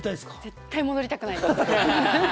絶対戻りたくないです。